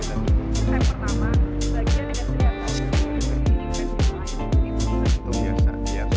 segmen pertama bagiannya sedia sedia